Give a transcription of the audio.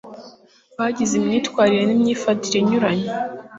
bagize imyitwarire n imyifatire inyuranyije